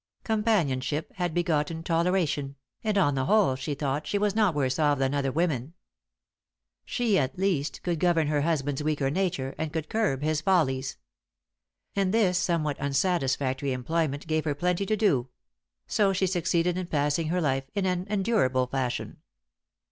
Companionship had begotten toleration; and, on the whole, she thought, she was not worse off than other women. She, at least, could govern her husband's weaker nature, and could curb his follies. And this somewhat unsatisfactory employment gave her plenty to do; so she succeeded in passing her life in an endurable fashion.